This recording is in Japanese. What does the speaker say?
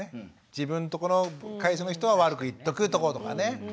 自分とこの会社の人は悪く言っとこうとかね。